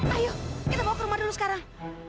ayo kita bawa ke rumah dulu sekarang